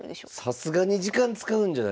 さすがに時間使うんじゃないですか？